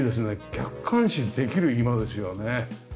客観視できる居間ですよね。